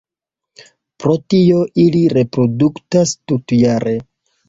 Pro tio, ili reproduktas tutjare.